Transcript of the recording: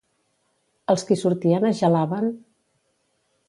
Els qui sortien es gelaven?